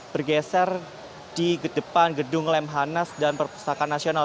bergeser di depan gedung lemhanas dan perpustakaan nasional